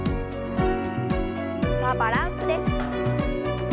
さあバランスです。